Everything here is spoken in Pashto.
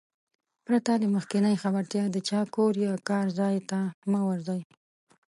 پرته له مخکينۍ خبرتيا د چا کور يا کار ځاى ته مه ورځٸ.